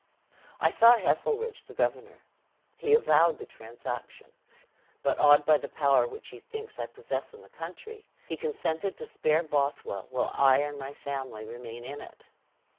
"I saw Heselrigge the governor. He avowed the transaction; but awed by the power which he thinks I possess in the country, he consented to spare Bothwell while I and my family remain in it.